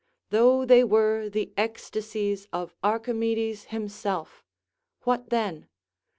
Though they were the ecstasies of Archimedes himself, what then?